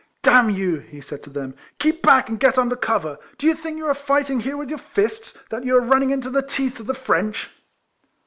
"D — n you!" he said to them, " keep back, and get under cover. Do you think you are fighting here with your fists, that you are running into the teeth of the French